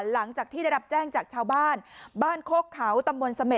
หลังจากที่ได้รับแจ้งจากชาวบ้านบ้านโคกเขาตำบลเสม็ด